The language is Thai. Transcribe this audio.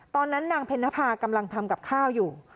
ตอนนั้นนางเพนภากำลังทำกับข้าวอยู่